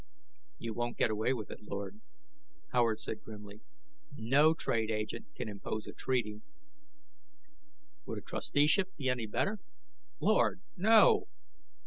"You won't get away with it, Lord," Howard said grimly. "No trade agent can impose a treaty " "Would a trusteeship be any better?" "Lord, no!"